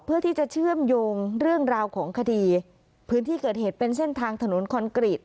เพื่อที่จะเชื่อมโยงเรื่องราวของคดีพื้นที่เกิดเหตุเป็นเส้นทางถนนคอนกรีต